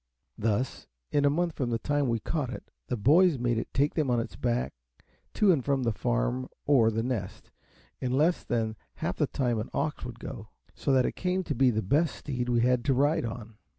Thus, in a month from the time we caught it, the boys made it take them on its back to and from the Farm or The Nest, in less than half the time an ox would go; so that it came to be the best steed we had to ride on.